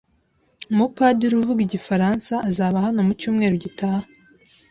Umupadiri uvuga igifaransa azaba hano mu cyumweru gitaha